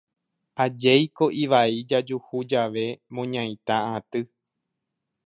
Ajéiko ivai jajuhu jave moñaita aty